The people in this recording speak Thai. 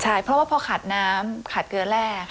ใช่เพราะว่าพอขาดน้ำขาดเกลือแร่